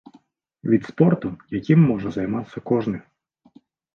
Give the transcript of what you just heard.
Від спорту, якім можа займацца кожны.